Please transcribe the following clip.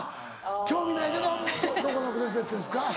興味ないけど「どこのブレスレットですか？」。